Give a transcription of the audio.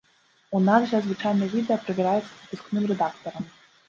У нас жа звычайна відэа правяраецца выпускным рэдактарам.